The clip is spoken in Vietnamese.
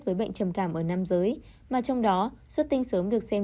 với bệnh trầm cảm ở nam giới mà trong đó xuất tinh sớm được xem